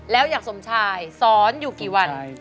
แล้วอยากสมชายสอนอยู่กี่วัน